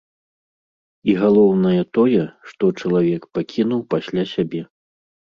І галоўнае тое, што чалавек пакінуў пасля сябе.